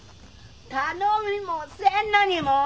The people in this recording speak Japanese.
頼みもせんのにもう！